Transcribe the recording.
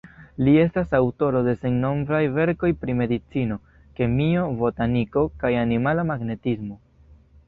Li estas aŭtoro de sennombraj verkoj pri Medicino, Kemio, Botaniko kaj Animala Magnetismo.